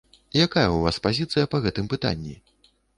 Якая ў вас пазіцыя па гэтым пытанні?